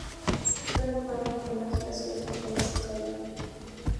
Fue nombrado en homenaje a la ciudad japonesa Okayama.